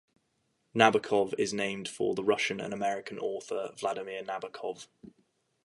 Nabokov is named for the Russian and American author Vladimir Nabokov.